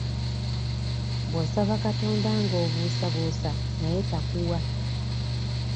Bw'osaba Katonda nga obuusabuusa naye takuwa.